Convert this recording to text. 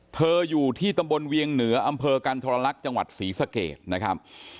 อยู่ที่ตำบลเวียงเหนืออำเภอกันทรลักษณ์จังหวัดศรีสะเกดนะครับ